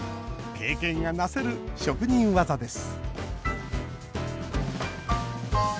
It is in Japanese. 経験がなせる職人技です。